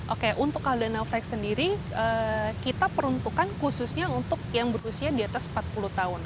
oke untuk caldana flex sendiri kita peruntukan khususnya untuk yang berusia di atas empat puluh tahun